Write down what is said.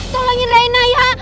tolongin rena ya